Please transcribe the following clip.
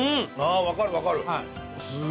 あ分かる分かる。